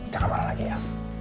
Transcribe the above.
jangan marah lagi ya